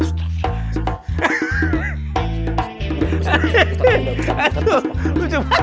dimana kamarnya waalaikumsalam